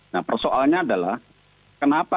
nah persoalannya adalah kenapa